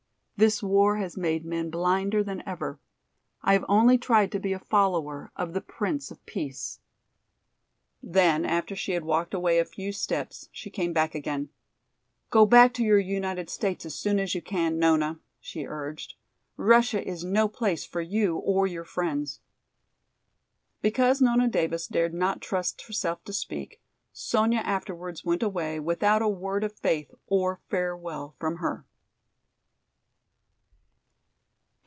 This war has made men blinder than ever. I have only tried to be a follower of the 'Prince of Peace.'" Then after she had walked away a few steps she came back again. "Go back to your United States as soon as you can, Nona," she urged. "Russia is no place for you or your friends." Because Nona Davis dared not trust herself to speak, Sonya afterwards went away without a word of faith or farewell from her.